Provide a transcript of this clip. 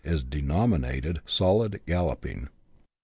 is denominated "solid galloping."